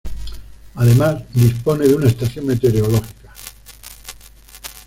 Además dispone de una estación meteorológica.